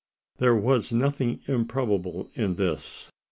There was nothing improbable in this.